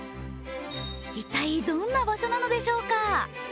一体、どんな場所なのでしょうか。